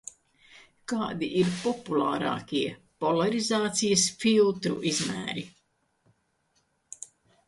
Kādi ir populārākie polarizācijas filtru izmēri?